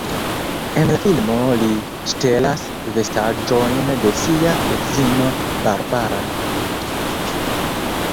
En la filmo li ŝtelas vestaĵojn de sia edzino Barbara.